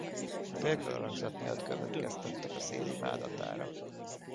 A félkör alakzat miatt következtettek a szél imádatára.